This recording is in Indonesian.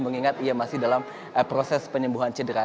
mengingat ia masih dalam proses penyembuhan cedera